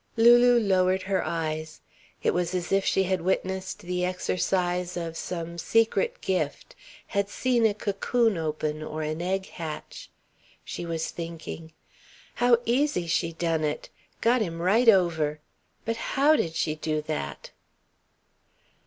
Lulu lowered her eyes. It was as if she had witnessed the exercise of some secret gift, had seen a cocoon open or an egg hatch. She was thinking: "How easy she done it. Got him right over. But how did she do that?"